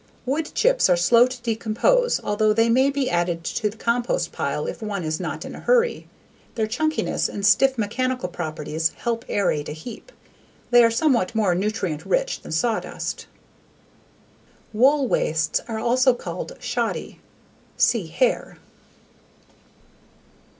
_Wood chips _are slow to decompose although they may be added to the compost pile if one is not in a hurry. Their chunkiness and stiff mechanical properties help aerate a heap. They are somewhat more nutrient rich than sawdust. Wool wastes are also called shoddy. _See Hair.